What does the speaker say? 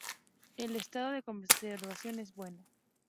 El estado de conservación es bueno.